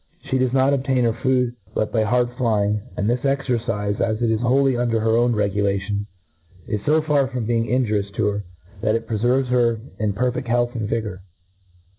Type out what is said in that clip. , She does not obtain her food but by hard flying ; and <his cxercifey as it is wholely under her own regulation, is fo far from bc'ng injurious to her, that it preferves her in pcrfeft health and vigour.